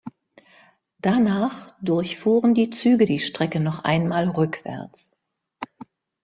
Danach durchfuhren die Züge die Strecke noch einmal rückwärts.